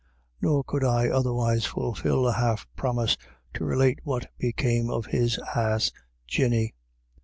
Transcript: Nor could I otherwise fulfil a half promise to relate i what became of his ass Jinny.